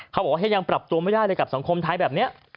เขาบอกว่ายังปรับตัวไม่ได้เลยกับสังคมไทยแบบนี้